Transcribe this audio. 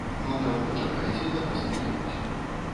Маўляў, пачакайце, да вас прыедуць.